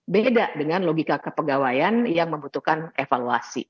beda dengan logika kepegawaian yang membutuhkan evaluasi